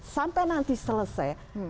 sampai nanti selesai